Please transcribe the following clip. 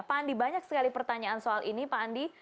pak andi banyak sekali pertanyaan soal ini pak andi